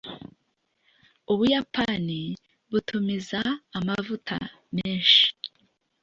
ubuyapani butumiza amavuta menshi